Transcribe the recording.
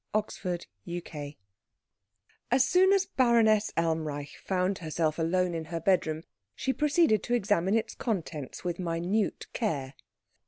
CHAPTER XV As soon as Baroness Elmreich found herself alone in her bedroom, she proceeded to examine its contents with minute care.